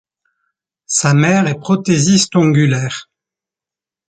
Sa mère est prothésiste ongulaire.